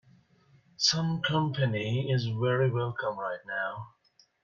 Some company is very welcome right now.